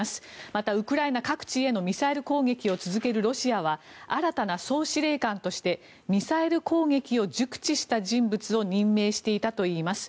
またウクライナ各地へのミサイル攻撃を続けるロシアは新たな総司令官としてミサイル攻撃を熟知した人物を任命していたといいます。